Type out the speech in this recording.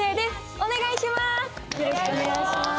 お願いします！